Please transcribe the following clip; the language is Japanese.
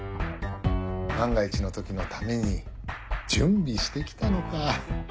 万が一の時のために準備して来たのか。